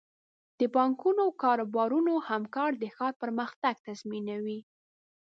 د بانکونو او کاروبارونو همکاري د ښار پرمختګ تضمینوي.